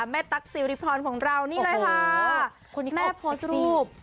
ตั๊กซิริพรของเรานี่เลยค่ะแม่โพสต์รูป